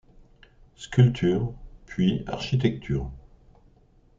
Sculpture, puis architecture.